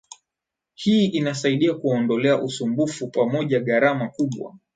Hii inasaidia kuwaondolea usumbufu pamoja gharama kubwa